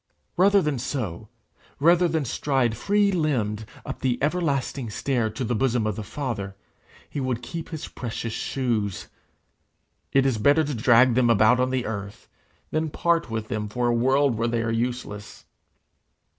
Rather than so, rather than stride free limbed up the everlasting stair to the bosom of the Father, he will keep his precious shoes! It is better to drag them about on the earth, than part with them for a world where they are useless!